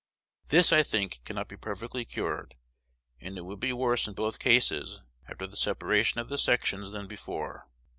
This, I think, cannot be perfectly cured; and it would be worse in both cases after the separation of the sections than before.